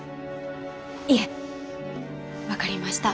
いえ分かりました。